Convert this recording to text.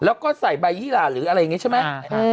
แล้วก็ใส่ใบยี่หล่าหรืออะไรอย่างนี้ใช่ไหม